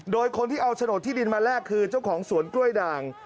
โดยคนที่เอาโฉนดที่ดินมาแลกคือเจ้าของสวนกล้วยด่าง